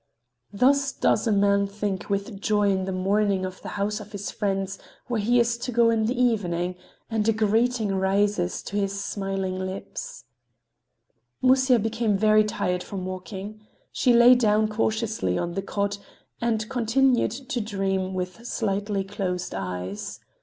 Thus does a man think with joy in the morning of the house of his friends where he is to go in the evening, and a greeting rises to his smiling lips. Musya became very tired from walking. She lay down cautiously on the cot and continued to dream with slightly closed eyes.